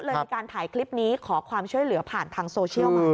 มีการถ่ายคลิปนี้ขอความช่วยเหลือผ่านทางโซเชียลมา